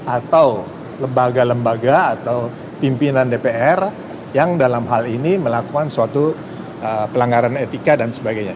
atau lembaga lembaga atau pimpinan dpr yang dalam hal ini melakukan suatu pelanggaran etika dan sebagainya